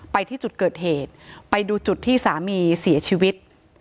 ไปที่จุดเกิดเหตุไปดูจุดที่สามีเสียชีวิต